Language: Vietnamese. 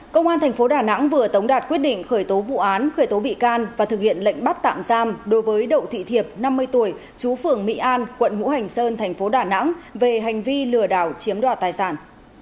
công an thành phố đà nẵng vừa tống đạt quyết định khởi tố vụ án khởi tố bị can và thực hiện lệnh bắt tạm giam đối với đậu thị thiệp năm mươi tuổi chú phường mỹ an quận ngũ hành sơn thành phố đà nẵng về hành vi lừa đảo chiếm đoạt tài sản